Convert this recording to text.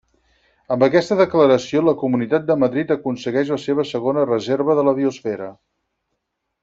Amb aquesta declaració la Comunitat de Madrid aconsegueix la seva segona Reserva de la Biosfera.